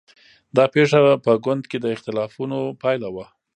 دا پېښه په ګوند کې د اختلافونو پایله وه.